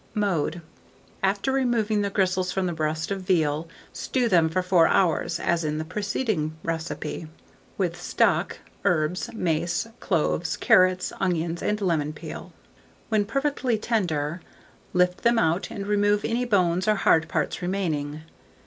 Mode. After removing the gristles from a breast of veal, stew them for 4 hours, as in the preceding recipe, with stock, herbs, mace, cloves, carrots, onions, and lemon peel. When perfectly tender, lift them out and remove any bones or hard parts remaining.